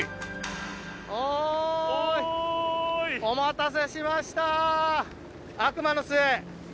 お待たせしました。